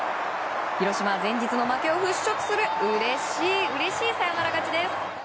広島、前日の負けを払しょくするうれしいうれしいサヨナラ勝ちです。